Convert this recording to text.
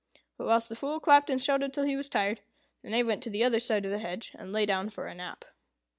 But whilst the Fool clapped and shouted till he was tired, the Knave went to the other side of the hedge, and lay down for a nap.